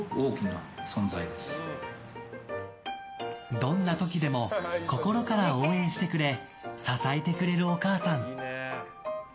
どんな時でも心から応援してくれ支えてくれるお母さん。